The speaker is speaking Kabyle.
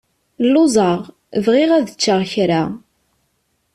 Luẓeɣ, bɣiɣ ad ččeɣ kra.